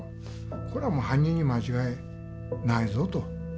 これはもう犯人に間違いないぞと。